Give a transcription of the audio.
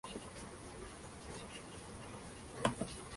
La principal aplicación para esta clase de motor va dirigida a los automóviles.